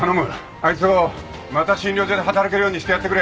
あいつをまた診療所で働けるようにしてやってくれ。